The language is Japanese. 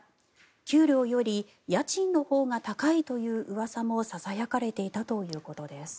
給料より家賃のほうが高いといううわさもささやかれていたということです。